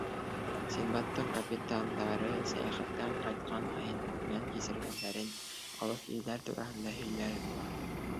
Синдбадтың капитандары сәйәхәттән ҡайтҡан һайын күргән-кисергәндәрен, алыҫ илдәр тураһында һөйләр була.